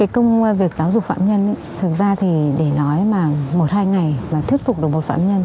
cái công việc giáo dục phạm nhân thật ra để nói một hai ngày và thuyết phục được một phạm nhân